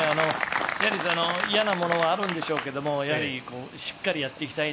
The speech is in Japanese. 嫌なものはあるんでしょうけど、しっかりやっていきたい。